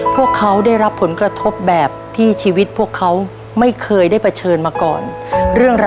พวกเขาได้รับผลกระทบแบบที่ชีวิตพวกเขาไม่เคยได้เผชิญมาก่อน